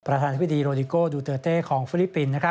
ประธานทฤษฐีโรดิโกดูเตอร์เต้ของฟิลิปปินส์